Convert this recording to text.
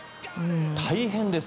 大変です。